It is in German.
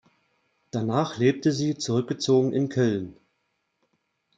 Danach lebte sie zurückgezogen in Köln.